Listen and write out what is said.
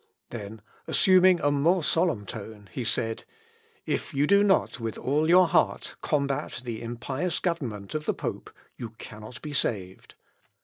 Then, assuming a more solemn tone, he said, "If you do not, with all your heart, combat the impious government of the pope, you cannot be saved.